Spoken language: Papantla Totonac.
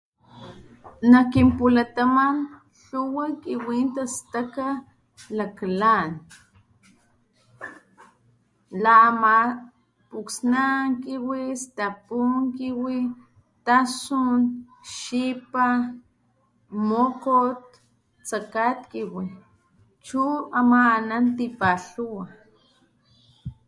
Nak kinpulataman lhuwa kiwin tastaka laklan la ama puksnankiwi, stapunkiwi, tasun, xipa , mokgot tsakatkiwi chu ama anan tipalhuwa.